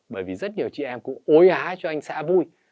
bởi vì rất nhiều chị em cũng ôi há cho anh xã vui